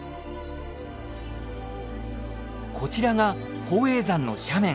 こちらが宝永山の斜面。